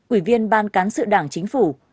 ủy viên ban cán sự đảng chính phủ